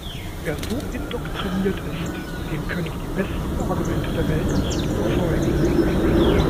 Wer so indoktriniert ist, den können auch die besten Argumente der Welt nicht überzeugen.